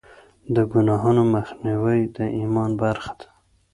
د ګناهونو مخنیوی د ایمان برخه ده.